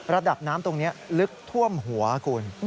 ระดับน้ำตรงนี้ลึกท่วมหัวคุณ